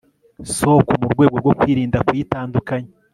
soko mu rwego rwo kwirinda kuyitandukanya